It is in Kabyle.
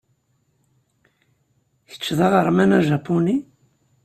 Kečč d aɣerman ajapuni?